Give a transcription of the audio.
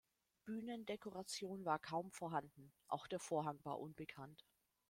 Bühnendekoration war kaum vorhanden, auch der Vorhang war unbekannt.